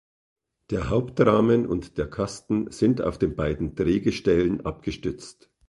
Der Hauptrahmen und der Kasten sind auf den beiden Drehgestellen abgestützt.